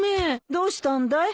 どうしたんだい？